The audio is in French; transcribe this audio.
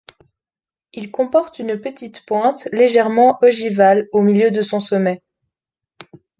Il comporte une petite pointe légèrement ogivale au milieu de son sommet.